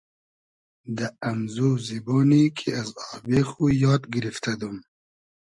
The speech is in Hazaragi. دۂ امزو زیبۉنی کی از آبې خو یاد گیرفتۂ دوم